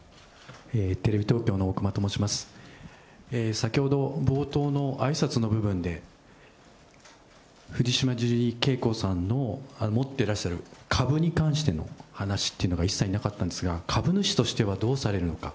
先ほど、冒頭のあいさつの部分で、藤島ジュリー景子さんの持ってらっしゃる株に関しての話っていうのが一切なかったんですが、株主としてはどうされるのか。